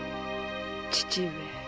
父上。